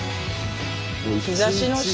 日ざしの下だ。